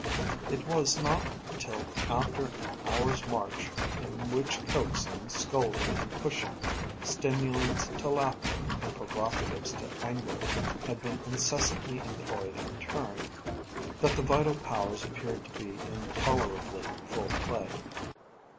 It was not till after an hour's march, in which coaxing, scolding, and pushing, stimulants to laughter and provocatives to anger, had been incessantly employed in turn, that the vital powers appeared to be in tolerably full play.